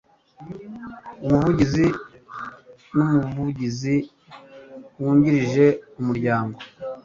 umuvugizi n umuvugizi wungirije umuryango